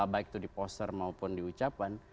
baik itu di poster maupun di ucapan